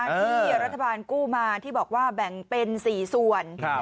ที่รัฐบาลกู้มาที่บอกว่าแบ่งเป็น๔ส่วน